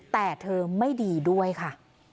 แต่เธอไม่ดีด้วยค่ะ